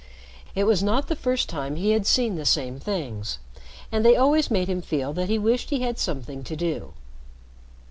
It was not the first time he had seen the same things, and they always made him feel that he wished he had something to do.